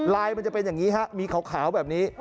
มันจะเป็นอย่างนี้ฮะมีขาวแบบนี้